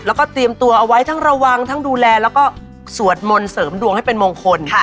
แล้วก็เตรียมตัวเอาไว้ทั้งระวังทั้งดูแลแล้วก็สวดมนต์เสริมดวงให้เป็นมงคล